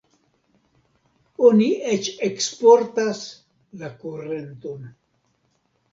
Oni eĉ eksportas la kurenton.